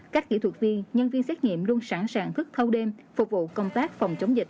các kỹ thuật viên nhân viên xét nghiệm luôn sẵn sàng thức thâu đêm phục vụ công tác phòng chống dịch